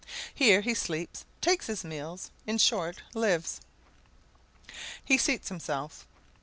Here he sleeps, takes his meals, in short, lives. He seats himself.